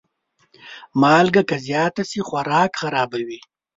مالګه که زیاته شي، خوراک خرابوي.